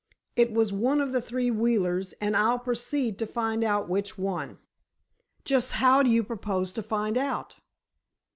It was one of the three Wheelers, and I'll proceed to find out which one." "Just how do you propose to find out?"